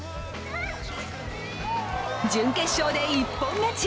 準決勝で一本勝ち。